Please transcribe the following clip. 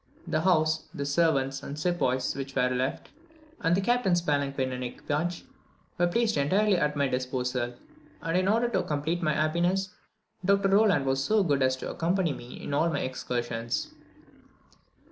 The house, the servants, and sepoys which were left, and the captain's palanquin and equipage, were placed entirely at my disposal; and in order to complete my happiness, Dr. Rolland was so good as to accompany me in all my excursions.